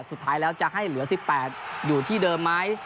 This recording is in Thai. สุดท้ายแล้วจะให้เหลือ๑๘อยู่ที่เดิมไหม